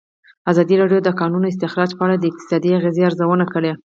ازادي راډیو د د کانونو استخراج په اړه د اقتصادي اغېزو ارزونه کړې.